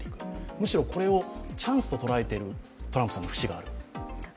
むしろこれをチャンスと捉えているトランプさんの節がある。